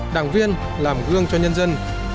đảng viên làm gương cho nhân dân